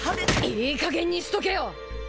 いいかげんにしとけよ。